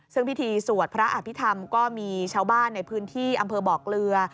ซึ่งพิธีสวดพระอภิษฐรรมก็มีชาวบ้านในพื้นที่อำเภอบอกเกลือ